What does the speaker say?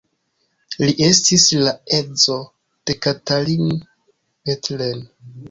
Li estis la edzo de Katalin Bethlen.